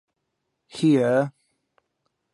Hear!